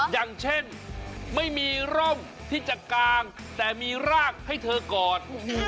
อย่างเช่นไม่มีร่มที่จะกางแต่มีรากให้เธอกอด